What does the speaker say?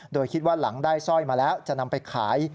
โดยคิดว่าหลังได้สร้อยมาแล้วจะนำไปขาย